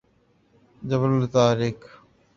جبل الطارق